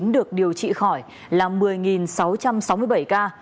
được điều trị khỏi là một mươi sáu trăm sáu mươi bảy ca